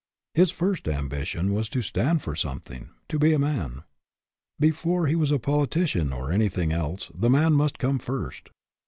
His first ambition was to stand for something, to be a man. Before he was a politician or anything else the man must come first.